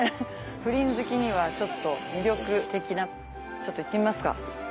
プリン好きにはちょっと魅力的なちょっと行ってみますか。